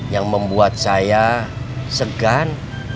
yang membuat saya segan